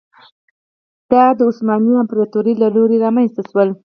دا د عثماني امپراتورۍ له لوري رامنځته شول.